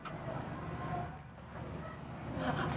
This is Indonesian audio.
loh kok gak dimakan